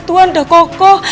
tuhan udah kokoh